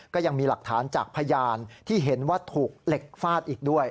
ก็ยังมีหลักฐานจากพยานที่เห็นว่าถูกเหล็กฟาดอีกด้วย